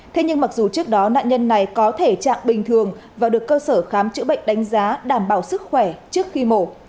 thế nhưng mặc dù trước đó nạn nhân này có thể trạng bình thường và được cơ sở khám chữa bệnh đánh giá đảm bảo sức khỏe trước khi mổ